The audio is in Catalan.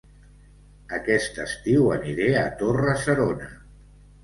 Aquest estiu aniré a Torre-serona